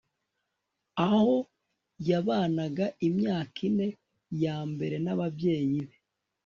aho yabanaga imyaka ine yambere nababyeyi be